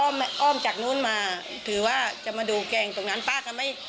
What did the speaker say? อ้อมจากนู้นมาถือว่าจะมาดูแกงตรงนั้นป้าก็ไม่